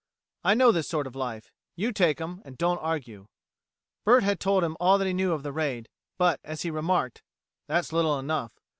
"I know this sort of life. You take 'em and don't argue." Bert had told him all that he knew of the raid, but, as he remarked, "that's little enough."